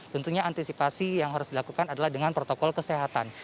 tentunya antisipasi yang harus dilakukan adalah dengan protokol kesehatan